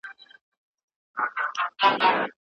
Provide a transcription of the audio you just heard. د کره کتني اصول له احساساتو ثابت وي.